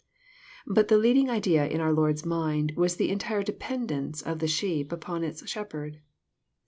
But the leading idea in our Lord's mind was the entire dependence of the sheep upon its Shepherd.